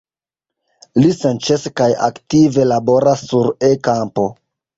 Li senĉese kaj aktive laboras sur E-kampo.